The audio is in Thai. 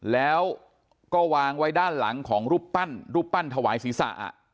แล้วก็วางไว้ด้านหลังของรูปปั้นรูปปั้นถวายศีรษะ